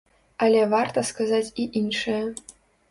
Але варта сказаць і іншае.